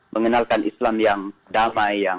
mengenalkan islam yang damai